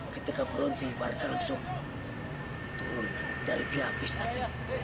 ketika berhenti warga langsung turun dari pihak bis tadi